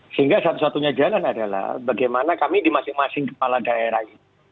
sehingga satu satunya jalan adalah bagaimana kami di masing masing kepala daerah ini